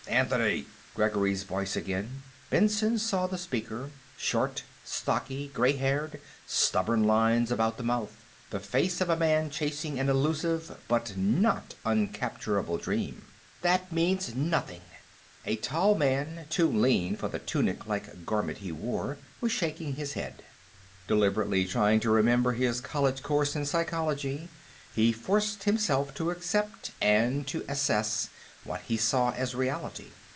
"Anthony!" Gregory's voice again; Benson saw the speaker; short, stocky, gray haired, stubborn lines about the mouth. The face of a man chasing an illusive but not uncapturable dream. "That means nothing." A tall thin man, too lean for the tunic like garment he wore, was shaking his head. Deliberately, trying to remember his college courses in psychology, he forced himself to accept, and to assess, what he saw as reality.